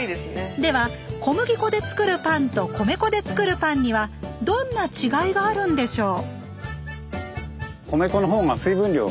では小麦粉でつくるパンと米粉でつくるパンにはどんな違いがあるんでしょう？